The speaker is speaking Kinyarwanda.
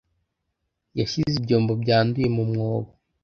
yashyize ibyombo byanduye mu mwobo